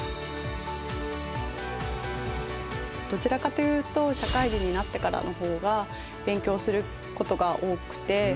どちらかというと社会人になってからの方が勉強することが多くて。